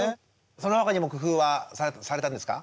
その他にも工夫はされたんですか？